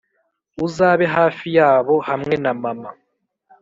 uzabe hafi yabo hamwe na mama. ”